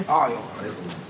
ありがとうございます。